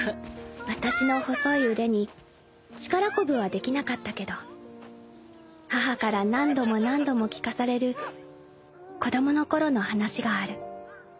［私の細い腕に力こぶはできなかったけど母から何度も何度も聞かされる子供のころの話がある］